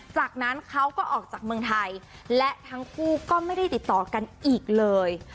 จากนั้นเขาก็ออกจากเมืองไทยและทั้งคู่ก็ไม่ได้ติดต่อกันอีกเลย